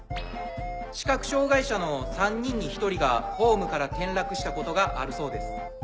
視覚障がい者の３人に１人がホームから転落したことがあるそうです。